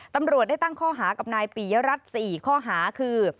ตำรวจได้ตั้งข้อหากับนายปียรัฐ๔ข้อหาคือ